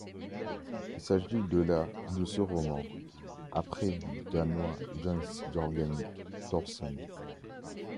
Il s'agit de la de ce roman, après du Danois Jens Jørgen Thorsen.